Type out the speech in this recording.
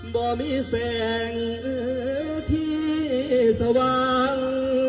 บ่มิแสงบ่มิแสง